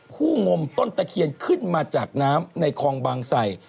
งมต้นตะเคียนขึ้นมาจากน้ำในคลองบางใส่